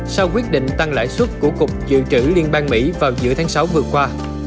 sau quyết định tăng lãi suất của cục dự trữ liên bang mỹ vào giữa tháng sáu vừa qua